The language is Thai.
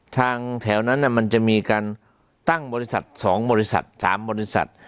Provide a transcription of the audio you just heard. ทางแถวนั้นน่ะมันจะมีการตั้งบริษัทสองบริษัทสามบริษัท